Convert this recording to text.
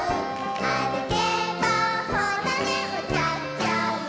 「あるけばほらねうたっちゃう」